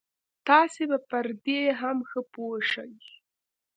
تاسې به پر دې هم ښه پوه شئ.